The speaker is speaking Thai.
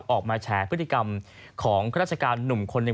ออกมาแชร์พฤติกรรมของรัชการหนุ่มคนหนึ่ง